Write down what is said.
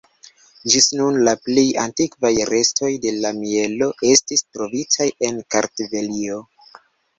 Ĝis nun, la plej antikvaj restoj de mielo estis trovitaj en Kartvelio.